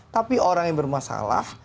tapi orang yang bermasalah